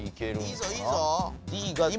いいぞいいぞ。